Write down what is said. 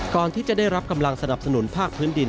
ก่อนที่จะได้รับกำลังสนับสนุนภาคพื้นดิน